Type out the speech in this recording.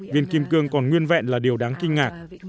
viên kim cương còn nguyên vẹn là điều đáng kinh ngạc